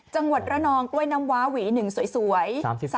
จังหวัดระนองกล้วยน้ำว้าหวี๑สวย